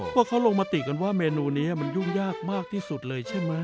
เพราะเขาลงมติกันว่าเมนูนี้มันยุ่งยากมากที่สุดเลยใช่ไหม